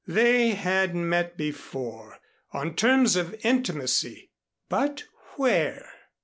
They had met before, on terms of intimacy, but where?